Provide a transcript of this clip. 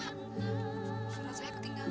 surat saya ketinggalan